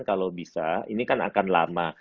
kalau bisa ini kan akan lama